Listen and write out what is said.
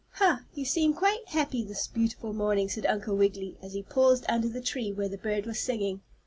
"Ha! you seem quite happy this beautiful morning," said Uncle Wiggily, as he paused under the tree where the bird was singing.